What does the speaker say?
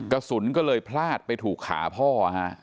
กระสุนก็เลยพลาดไปถูกขาพ่อฮะ